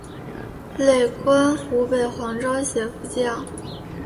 累官湖北黄州协副将。